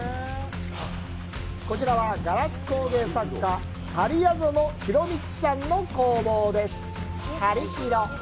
こちらは、ガラス工芸作家・仮屋園宏道さんの工房です。